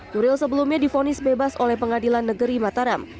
nuril sebelumnya difonis bebas oleh pengadilan negeri mataram